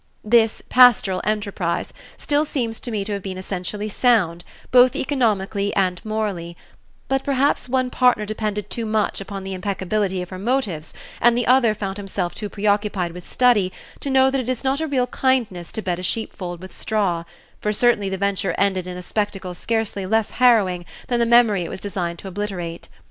This pastoral enterprise still seems to me to have been essentially sound, both economically and morally, but perhaps one partner depended too much upon the impeccability of her motives and the other found himself too preoccupied with study to know that it is not a real kindness to bed a sheepfold with straw, for certainly the venture ended in a spectacle scarcely less harrowing than the memory it was designed to obliterate.